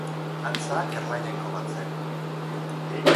Antza gerla jainko bat zen.